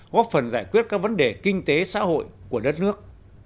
góp phần giải quyết các vấn đề kinh tế xã hội của đất nước